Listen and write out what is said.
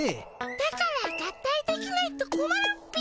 だから合体できないとこまるっピ。